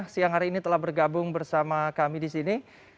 siang hari ini telah bergabung bersama kami di sini